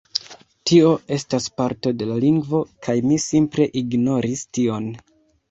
Tio estas parto de la lingvo" kaj mi simple ignoris tion.